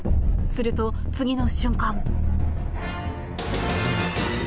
すると、次の瞬間。